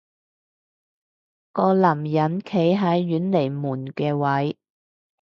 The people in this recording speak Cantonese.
個男人企喺遠離門嘅位